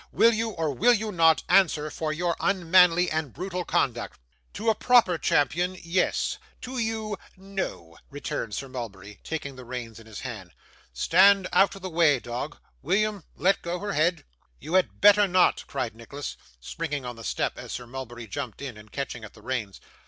Will you or will you not answer for your unmanly and brutal conduct?' 'To a proper champion yes. To you no,' returned Sir Mulberry, taking the reins in his hand. 'Stand out of the way, dog. William, let go her head.' 'You had better not,' cried Nicholas, springing on the step as Sir Mulberry jumped in, and catching at the reins.